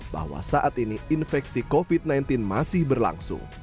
bahwa saat ini infeksi covid sembilan belas masih berlangsung